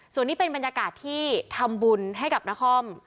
ส่วนนี้เป็นบรรยากาศที่ทำบุญให้กับนคร